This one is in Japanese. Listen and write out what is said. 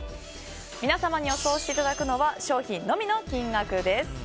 皆様に予想していただくのは商品のみの金額です。